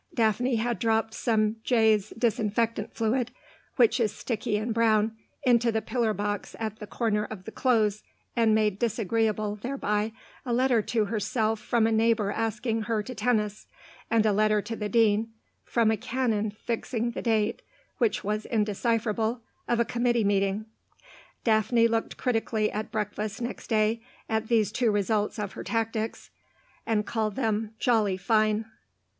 Daphne had dropped some Jeye's disinfectant fluid, which is sticky and brown, into the pillar box at the corner of the Close, and made disagreeable thereby a letter to herself from a neighbour asking her to tennis, and a letter to the Dean from a canon fixing the date (which was indecipherable) of a committee meeting. Daphne looked critically at breakfast next day at these two results of her tactics, and called them "Jolly fine."